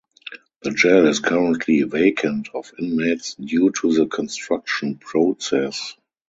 The jail is currently vacant of inmates due to the construction process.